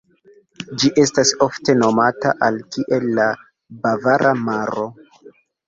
Ĝi estas ofte nomata al kiel la "Bavara Maro".